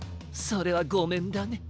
それはごめんだね。